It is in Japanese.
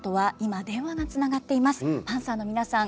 パンサーの皆さん